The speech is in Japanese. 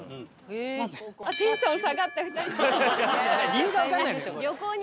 理由がわかんないでしょ。